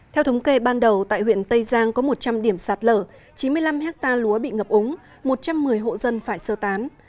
theo thống kê ban đầu tại huyện tây giang có một trăm linh điểm sạt lở chín mươi năm hectare lúa bị ngập úng một trăm một mươi hộ dân phải sơ tán